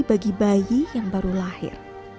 bagi bayi yang baru lahir